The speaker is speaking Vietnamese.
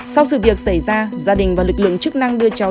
sau sự việc xảy ra gia đình và lực lượng chức năng đưa cháu